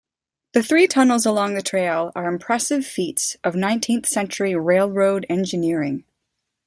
The three tunnels along the trail are impressive feats of nineteenth-century railroad engineering.